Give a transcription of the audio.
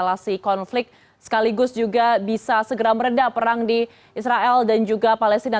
tidak eskalasi konflik sekaligus juga bisa segera merendah perang di israel dan juga palestina